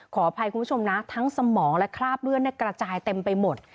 ขออภัยคุณผู้ชมนะทั้งสมองและคราบเลือดกระจายเต็มไปหมด